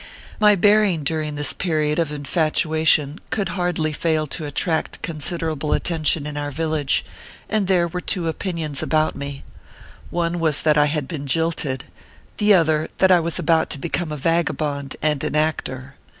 My bearing during this period of infatuation could hardly fail to attract considerable attention in our village, and there were two opinions about me. One 24 OKPHEUS C. KERR PAPERS. was that I had been jilted ; the other, that I was about to become a vagabond and an actor.